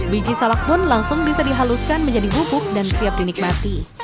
biji salak pun langsung bisa dihaluskan menjadi bubuk dan siap dinikmati